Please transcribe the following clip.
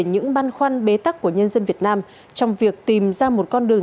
những băn khoăn bế tắc của nhân dân việt nam trong việc tìm ra một con đường